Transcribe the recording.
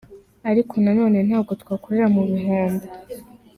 Ariko nanone ntabwo twakorera mu bihombo.